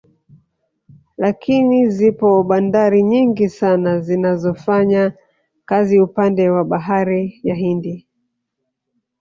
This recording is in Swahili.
Lakini zipo bandari nyingi sana zinazofanya kazi upande wa bahari ya Hindi